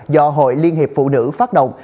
do hội liên hiệp phụ nữ phát động